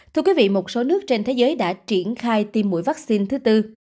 thưa quý vị một số nước trên thế giới đã triển khai tiêm mũi vaccine thứ tư